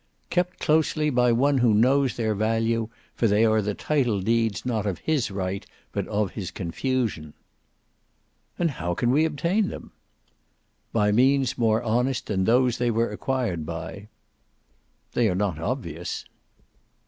"Kept closely by one who knows their value, for they are the title deeds not of his right but of his confusion." "And how can we obtain them?" "By means more honest than those they were acquired by." "They are not obvious."